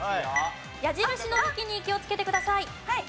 矢印の向きに気をつけてください。